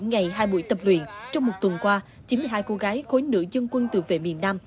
ngày hai buổi tập luyện trong một tuần qua chín mươi hai cô gái khối nữ dân quân tự vệ miền nam